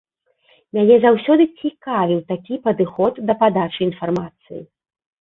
Мяне заўсёды цікавіў такі падыход да падачы інфармацыі.